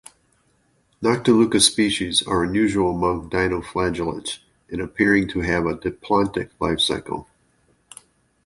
"Noctiluca" species are unusual among dinoflagellates in appearing to have a diplontic life cycle.